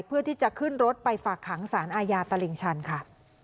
เพื่อที่จะขึ้นรถไปฝากขังสารอาญาตลิ่งชันค่ะ